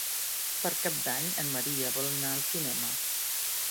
Per Cap d'Any en Maria vol anar al cinema.